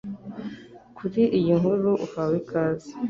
kuri iyi nkuru uhawe ikaze